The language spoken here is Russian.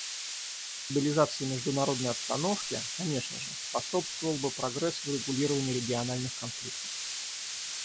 Стабилизации международной обстановки, конечно же, способствовал бы прогресс в урегулировании региональных конфликтов.